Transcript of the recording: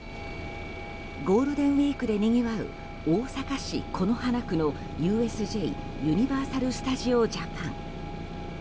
ゴールデンウィークでにぎわう大阪此花区のＵＳＪユニバーサル・スタジオ・ジャパン。